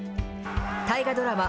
大河ドラマ